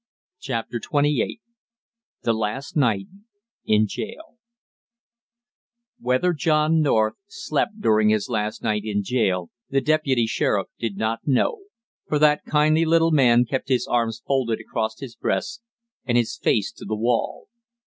CHAPTER TWENTY EIGHT THE LAST NIGHT IN JAIL Whether John North slept during his last night in jail the deputy sheriff did not know, for that kindly little man kept his arms folded across his breast and his face to the wall.